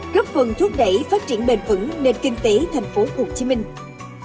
góp phần thúc đẩy phát triển bền vững nền kinh tế thành phố hồ chí minh